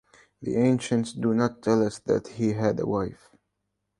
The ancients do not tell us that he had a wife.